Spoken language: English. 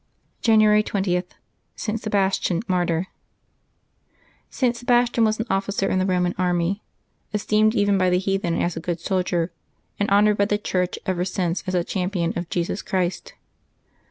January 20.— ST. SEBASTIAN, Martyr. T. Sebastian was an officer in the Eoman army, es teemed even by the heathen as a good soldier, and honored by the Church ever since as a champion of Jesus Christ.